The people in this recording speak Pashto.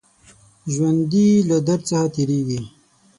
ژوندي له درد څخه تېرېږي